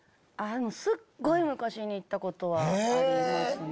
すっごい昔に行ったことはありますね。